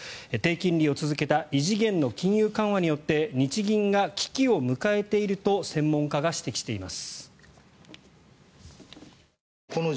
低金利を続けた異次元の金融緩和によって日銀が危機を迎えていると専門家が指摘しています。